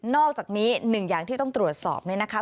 อกจากนี้หนึ่งอย่างที่ต้องตรวจสอบเนี่ยนะคะ